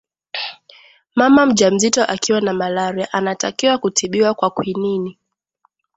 mama mjamzito akiwa na malaria anatakiwa kutibiwa kwa kwinini